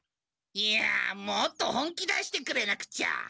いやもっと本気出してくれなくちゃ。